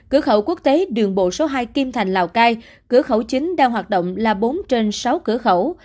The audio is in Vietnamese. cửa khẩu quốc tế đường bộ số hai kim thành lào cai cửa khẩu chính đang hoạt động là bốn trên sáu cửa khẩu